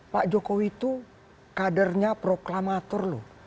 pak jokowi itu kadernya proklamator loh